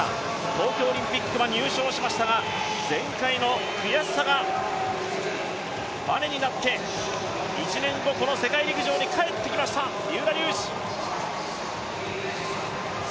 東京オリンピックは入賞しましたが前回の悔しさがバネになって、１年後、この世界陸上に帰ってきました三浦龍司。